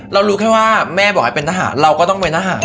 รู้แค่ว่าแม่บอกให้เป็นทหารเราก็ต้องเป็นทหาร